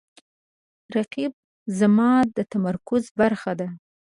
رقیب زما د تمرکز برخه ده